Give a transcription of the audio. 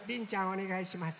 おねがいします。